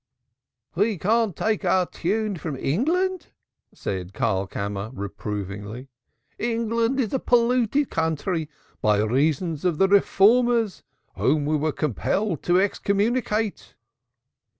'" "We can't take our tune from England," said Karlkammer reprovingly. "England is a polluted country by reason of the Reformers whom we were compelled to excommunicate."